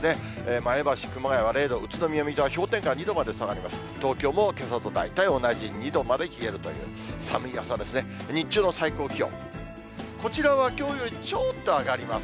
前橋、熊谷は０度、宇都宮、水戸は氷点下２度まで下がります。